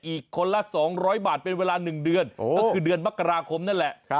อีกคนละ๒๐๐บาทเป็นเวลา๑เดือนก็คือเดือนมกราคมนั่นแหละ